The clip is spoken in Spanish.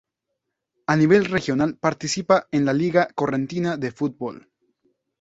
A nivel regional participa en la Liga Correntina de Fútbol.